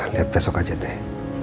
lihat besok aja deh